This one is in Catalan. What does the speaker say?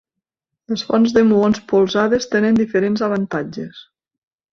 Les fonts de muons polsades tenen diferents avantatges.